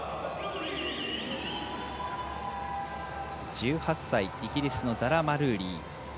１８歳イギリスのザラ・マルーリー。